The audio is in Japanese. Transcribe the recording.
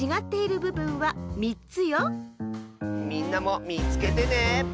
みんなもみつけてね。